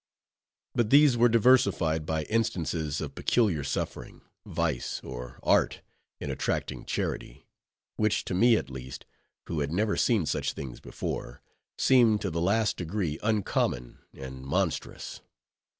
But these were diversified by instances of peculiar suffering, vice, or art in attracting charity, which, to me at least, who had never seen such things before, seemed to the last degree uncommon and monstrous.